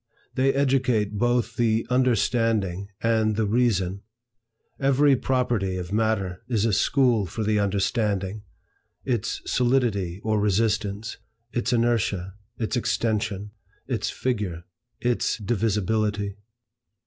They educate both the Understanding and the Reason. Every property of matter is a school for the understanding, its solidity or resistance, its inertia, its extension, its figure, its divisibility.